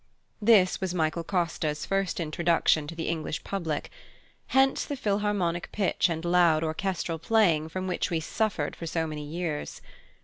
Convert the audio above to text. This was Michael Costa's first introduction to the English public. Hence the Philharmonic pitch and loud orchestral playing from which we suffered for so many years.